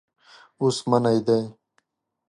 اوس منی دی.